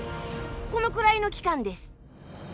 このくらいの期間です。